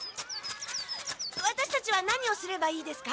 ワタシたちは何をすればいいですか？